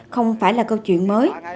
không phải là câu chuyện mới